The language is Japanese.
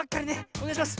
おねがいします。